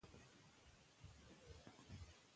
که د ګمبد کار بشپړ سي، نو ویاړ به زیات سي.